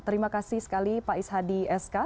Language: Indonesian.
terima kasih sekali pak ishadi sk